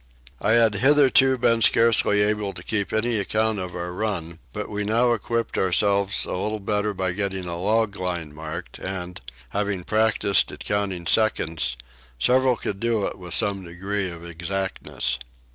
I had hitherto been scarcely able to keep any account of our run, but we now equipped ourselves a little better by getting a log line marked and, having practised at counting seconds, several could do it with some degree of exactness.